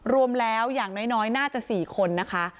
รวมแล้วอย่างน้อยน่าจะ๔คนนะคะ